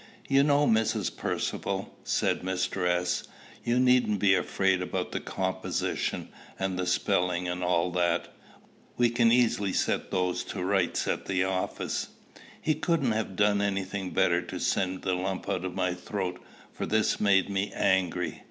"You know, Mrs. Percivale," said Mr. S., "you needn't be afraid about the composition, and the spelling, and all that. We can easily set those to rights at the office." He couldn't have done any thing better to send the lump out of my throat; for this made me angry.